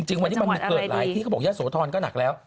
จริงวันนี้มันเกิดหลายที่เขาบอกยะโสธรก็หนักแล้ว